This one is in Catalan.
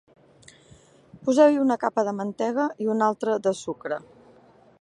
Poseu-hi una capa de mantega i una altra de sucre.